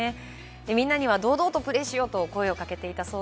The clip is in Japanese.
みんなには堂々とプレーしようよと声をかけていました。